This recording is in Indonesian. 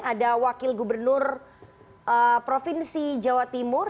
ada wakil gubernur provinsi jawa timur